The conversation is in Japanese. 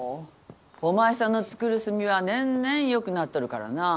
お前さんの作る炭は年々良くなっとるからなぁ。